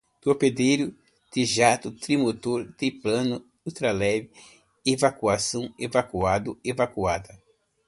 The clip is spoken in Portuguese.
Torpedeiro, trijato, trimotor, triplano, ultraleve, evacuação, evacuado, evacuada